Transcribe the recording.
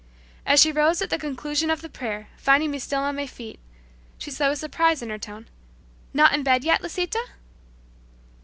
As she rose at the conclusion of the prayer, finding me still on my feet, she said with surprise in her tone, "Not in bed yet, Lisita?"